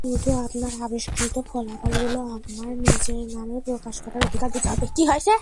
শুধু আপনার আবিষ্কৃত ফলাফলগুলো আমার নিজের নামে প্রকাশ করার অধিকার দিতে হবে।